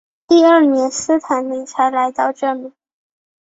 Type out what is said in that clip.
第二年斯坦利才来到这里。